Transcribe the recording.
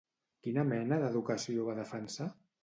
Quina mena d'educació va defensar?